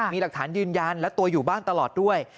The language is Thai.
มีหลักฐานยืนยันและตัวอยู่บ้านตลอดด้วย